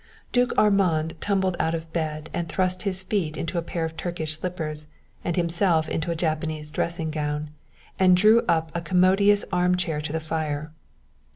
Duke Armand tumbled out of bed and thrust his feet into a pair of Turkish slippers and himself into a Japanese dressing gown, and drew up a commodious arm chair to the fire.